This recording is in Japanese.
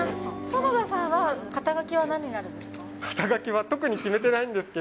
園田さんは、肩書は何になるんですか。